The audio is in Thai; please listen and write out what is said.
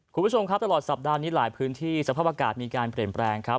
คุณผู้ชมครับตลอดสัปดาห์นี้หลายพื้นที่สภาพอากาศมีการเปลี่ยนแปลงครับ